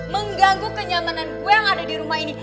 mengganggu kenyamanan kue yang ada di rumah ini